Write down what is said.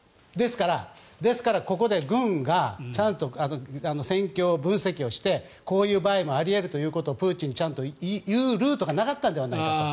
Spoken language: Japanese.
ですからここで軍がちゃんと戦況分析してこういう場合もあり得るということをちゃんとプーチンに言うルートがなかったのではないかと。